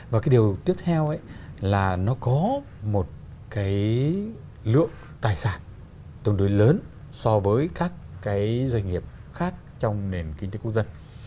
và cái điều tiếp theo là nó có một cái lượng tài sản tương đối lớn so với các cái doanh nghiệp khác trong nền kinh tế quốc dân